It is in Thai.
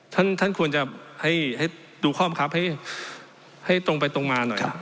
ท่านควรจะให้ดูข้อบังคับให้ตรงไปตรงมาหน่อย